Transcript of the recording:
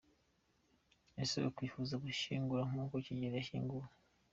Ese yakwifuza gushyingurwa nguko Kigeli yashyinguwe?